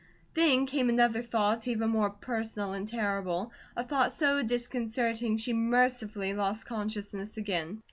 Then came another thought, even more personal and terrible, a thought so disconcerting she mercifully lost consciousness again.